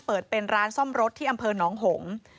เปิดเป็นร้านซ่อมรถที่อำเภอหนองหงษ์